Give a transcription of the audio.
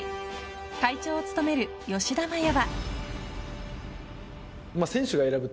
会長を務める吉田麻也は。